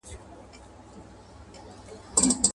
دا مېنه د پښتو ده څوک به ځي څوک به راځي.